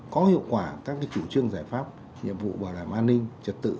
có hiệu quả các chủ trương giải pháp nhiệm vụ bảo đảm an ninh trật tự